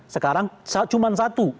sekarang cuma satu